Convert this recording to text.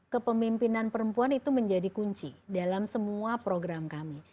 kepemimpinan perempuan itu menjadi kunci dalam semua program kami